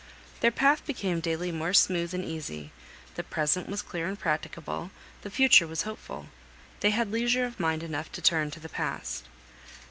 Their path became daily more smooth and easy; the present was clear and practicable, the future was hopeful; they had leisure of mind enough to turn to the past.